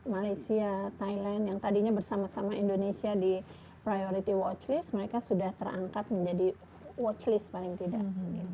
malaysia thailand yang tadinya bersama sama indonesia di priority watch list mereka sudah terangkat menjadi watch list paling tidak